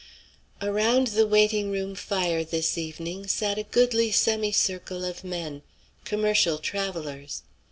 Around the waiting room fire this evening sat a goodly semicircle of men, commercial travellers.